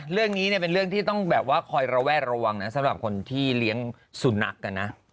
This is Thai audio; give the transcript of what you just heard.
เรื่องนี้เนี่ยเป็นเรื่องที่ต้องแบบว่าคอยระแวดระวังนะสำหรับคนที่เลี้ยงสุนัขกันนะ